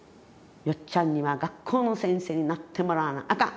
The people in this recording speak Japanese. よっちゃんには学校の先生になってもらわなあかん。